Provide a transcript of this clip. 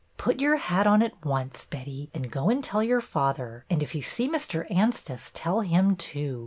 '' Put your hat on at once, Betty, and go and tell your father, and if you see Mr. Anstice tell him too.